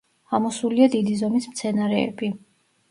ამოსულია დიდი ზომის მცენარეები.